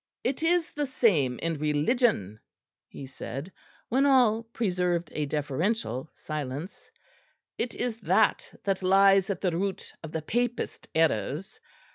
"It is the same in religion," he said, when all preserved a deferential silence; "it is that that lies at the root of papist errors.